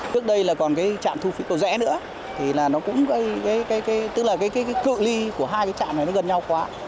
trước đây là còn trạm thu phí cầu rẽ nữa tức là cự li của hai trạm này gần nhau quá